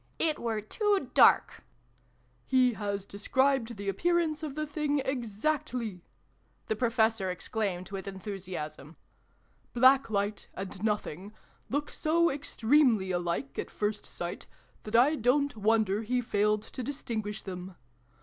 "It were too dark !"" He has described the appearance of the thing exactly !" the Professor exclaimed with enthusiasm. " Black Light, and Nothing, look so extremely alike, at first sight, that I don't wonder he failed to distinguish them